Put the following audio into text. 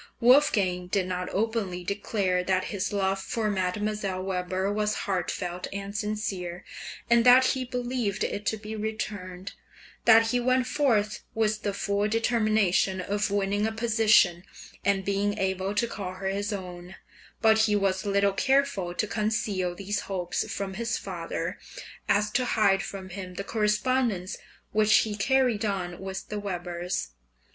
Wolfgang did not openly declare that his love for Mdlle. Weber was heartfelt and sincere, and that he believed it to be returned, that he went forth with the full determination of winning a position, and being able to call her his own; but he was little careful to conceal these hopes from his father as to hide from him the correspondence which he carried on with the Webers.